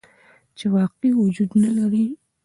چې واقعي وجود نه لري.